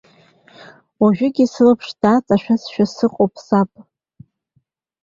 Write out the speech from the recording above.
Уажәгьы сылаԥш дааҵашәазшәа сыҟоуп саб.